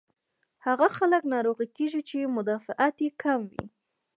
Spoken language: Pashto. هاغه خلک ناروغه کيږي چې مدافعت ئې کم وي